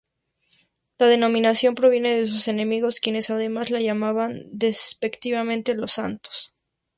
La denominación proviene de sus enemigos, quienes además les llamaban despectivamente los "Santos".